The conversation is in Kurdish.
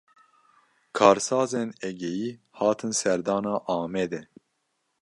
Karsazên Egeyî, hatin serdana Amedê